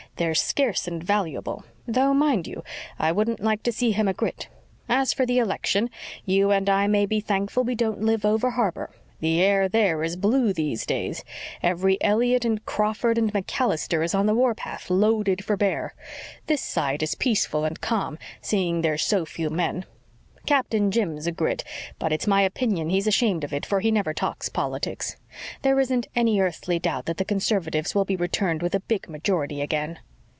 "They're scarce and valuable; though, mind you, I wouldn't like to see him a Grit. As for the election, you and I may be thankful we don't live over harbor. The air there is blue these days. Every Elliott and Crawford and MacAllister is on the warpath, loaded for bear. This side is peaceful and calm, seeing there's so few men. Captain Jim's a Grit, but it's my opinion he's ashamed of it, for he never talks politics. There isn't any earthly doubt that the Conservatives will be returned with a big majority again."